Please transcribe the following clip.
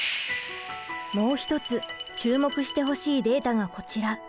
もう一つ注目してほしいデータがこちら。